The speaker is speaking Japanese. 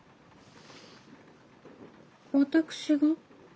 私が？